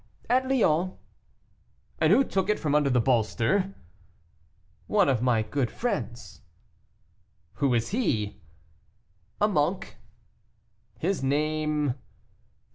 "At Lyons." "And who took it from under the bolster?" "One of my good friends." "Who is he?" "A monk." "His name?"